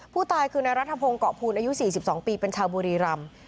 ผู้ตายคือนายรัฐพงศ์เกาะพูนอายุ๔๒ปีเป็นชาวบุรีรำ